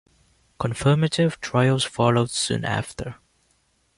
Confirmative trials followed soon after.